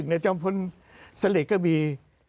ใน๑๕๐๑จังพลสลิกก็มี